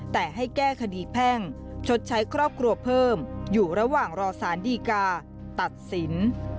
แต่ให้แก้คดีแพ่งชดใช้ครอบครัวเพิ่มอยู่ระหว่างรอสารดีกาตัดสิน